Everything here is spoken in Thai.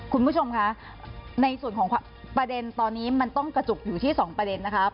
คุณผู้ชมคะในส่วนของประเด็นตอนนี้มันต้องกระจุกอยู่ที่๒ประเด็นนะครับ